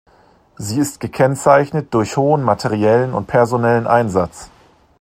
Sie ist gekennzeichnet durch hohen materiellen und personellen Einsatz.